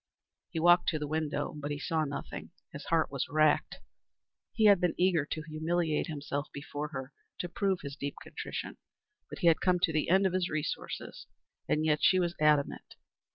He walked to the window but he saw nothing. His heart was racked. He had been eager to humiliate himself before her to prove his deep contrition, but he had come to the end of his resources, and yet she was adamant.